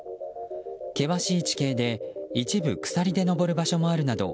険しい地形で一部鎖で登る場所もあるなど